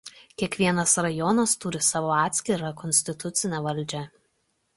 Kiekvienas rajonas turi savo atskirą konstitucinę valdžią.